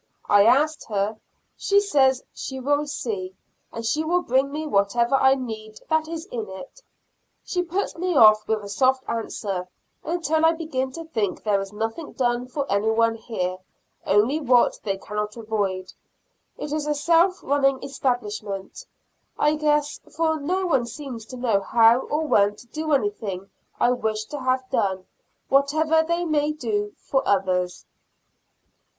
I asked her; she says she will see, and she will bring me whatever I need that is in it. She puts me off with a soft answer, until I begin to think there is nothing done for any one here, only what they cannot avoid. It is a self running establishment, I guess, for no one seems to know how or when to do anything I wish to have done, whatever they may do for others.